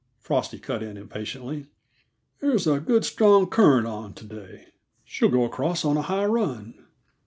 Frosty cut in impatiently. "There's a good, strong current on, to day; she'll go across on a high run."